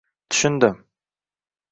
Tushundim.